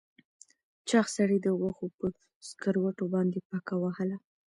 چاغ سړي د غوښو په سکروټو باندې پکه وهله.